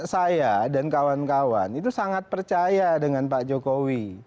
saya dan kawan kawan itu sangat percaya dengan pak jokowi